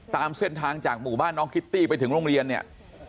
ตามเส้นทางจากหมู่บ้านน้องคิตตี้ไปถึงโรงเรียนเนี่ย